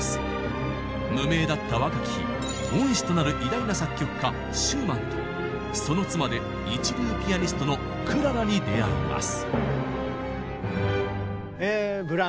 無名だった若き日恩師となる偉大な作曲家シューマンとその妻で一流ピアニストのクララに出会います。